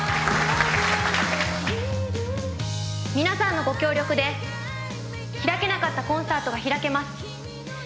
皆さんのご協力で開けなかったコンサートが開けます。